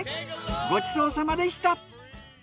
ごちそうさまでした！